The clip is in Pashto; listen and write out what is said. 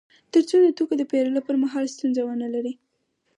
تر څو د توکو د پېرلو پر مهال ستونزه ونلري